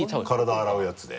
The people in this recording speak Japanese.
体洗うやつで？